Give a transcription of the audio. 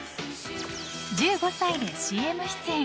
１５歳でＣＭ出演。